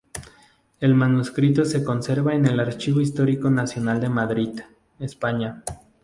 El manuscrito se conserva en el Archivo Histórico Nacional de Madrid, España.